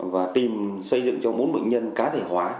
và tìm xây dựng cho bốn bệnh nhân cá thể hóa